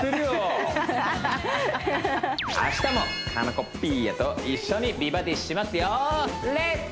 明日も佳菜子ピーヤと一緒に「美バディ」しますよ「レッツ！